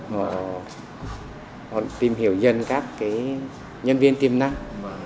họ tìm hiểu dân các nhân viên tiềm năng